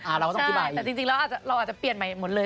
อ่าเราก็ต้องพิบายอีกใช่แต่จริงแล้วเราอาจจะเปลี่ยนใหม่หมดเลย